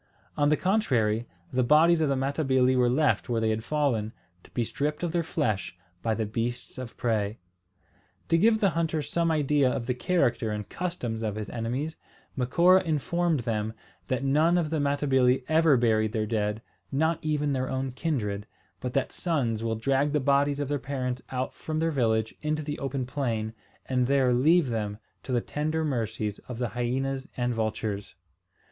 On the contrary, the bodies of the Matabili were left where they had fallen, to be stripped of their flesh by the beasts of prey. To give the hunters some idea of the character and customs of his enemies, Macora informed them that none of the Matabili ever buried their dead, not even their own kindred; but that sons will drag the bodies of their parents out from their village into the open plain, and there leave them to the tender mercies of the hyenas and vultures.